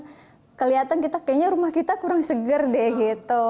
karena kelihatan kita kayaknya rumah kita kurang seger deh gitu